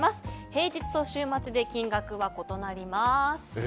平日と週末で金額は異なります。